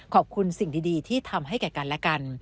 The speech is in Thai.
ขอบคุณสิ่งดีที่ทำให้แก่กันและกัน